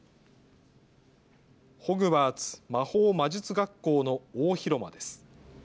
ホグワーツ魔法魔術学校の大広間です。